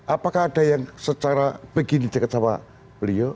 apakah ada yang secara begini dekat sama beliau